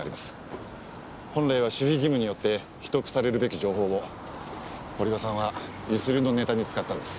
本来は守秘義務によって秘匿されるべき情報を堀場さんは強請りのネタに使ったんです。